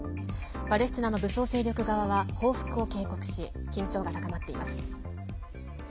パレスチナの武装勢力側は報復を警告し緊張が高まっています。